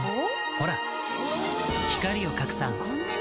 ほら光を拡散こんなに！